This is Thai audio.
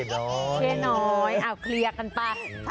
เช่นอย่างน้อยเอาเคลียร์กันป่ะ